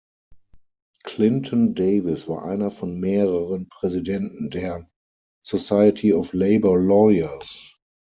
Clinton-Davis war einer von mehreren Präsidenten der "Society of Labour Lawyers".